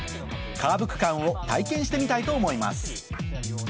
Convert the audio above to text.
カーブ区間を体験してみたいと思います